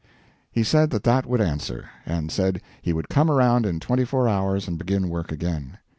He said that that would answer, and said he would come around in twenty four hours and begin work again.